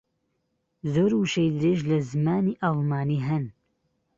زۆر وشەی درێژ لە زمانی ئەڵمانی ھەن.